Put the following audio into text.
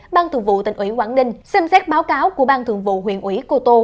bang thượng vụ tỉnh ủy quảng đình xem xét báo cáo của bang thượng vụ huyện ủy cô tô